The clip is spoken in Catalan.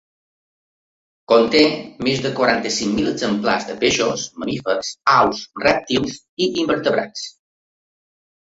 Conté més de quaranta-cinc mil exemplars de peixos, mamífers, aus, rèptils i invertebrats.